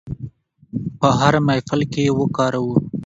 په هر محفل کې یې وکاروو.